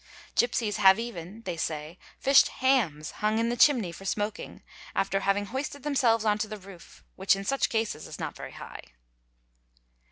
Gipsies have even, they say, fished hams hung in the chimney for | smoking after having hoisted themselves on to the roof, which in such @ases is not very high.